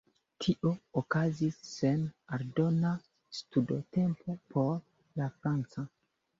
Tio okazis sen aldona studotempo por la franca.